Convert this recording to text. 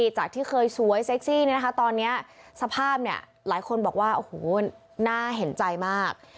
จากที่เคยสวยเซ็กซี่ตอนนี้สภาพเนี่ยหลายคนบอกว่าโอ้โหน่าเห็นใจมาก